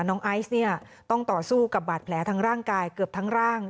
ไอซ์เนี่ยต้องต่อสู้กับบาดแผลทางร่างกายเกือบทั้งร่าง